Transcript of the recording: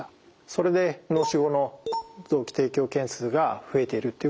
それで脳死後の臓器提供件数が増えているっていうことになります。